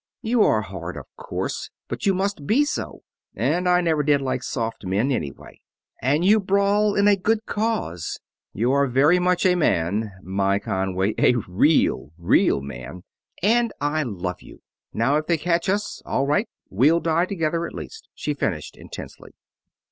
You are hard, of course, but you must be so and I never did like soft men, anyway. And you brawl in a good cause. You are very much a man, my Conway; a real, real man, and I love you! Now, if they catch us, all right we'll die together, at least!" she finished, intensely.